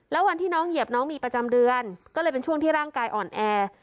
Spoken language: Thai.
แล้ววันที่น้องเหยียบน้องมีประจำเดือนก็เลยเป็นช่วงที่ร่างกายอ่อนแอ